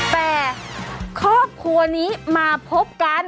แต่ครอบครัวนี้มาพบกัน